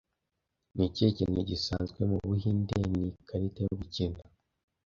Ni ikihe kintu gisanzwe mu Buhinde ni Ikarita yo gukina